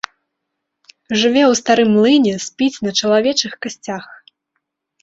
Жыве ў старым млыне, спіць на чалавечых касцях.